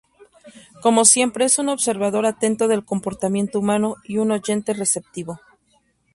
Como siempre es un observador atento del comportamiento humano y un oyente receptivo.